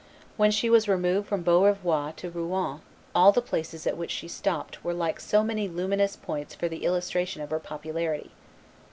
When she was removed from Beaurevoir to Rouen, all the places at which she stopped were like so many luminous points for the illustration of her popularity.